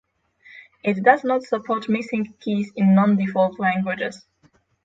It does not support missing keys in non-default languages